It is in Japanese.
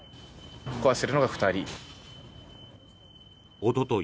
おととい